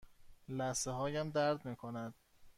لثه هایم درد می کنند.